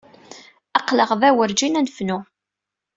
Aql-aɣ da, werǧin ad nefnu.